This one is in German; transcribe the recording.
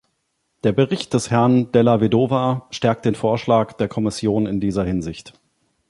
Der Bericht des Herrn Della Vedova stärkt den Vorschlag der Kommission in dieser Hinsicht.